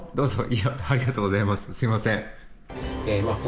すいません。